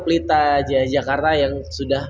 pelita jakarta yang sudah